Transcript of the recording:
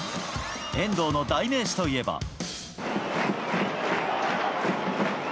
遠藤の代名詞といえば。